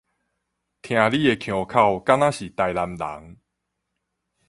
聽你的腔口敢若是臺南人